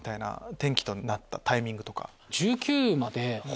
転機となったタイミングとか。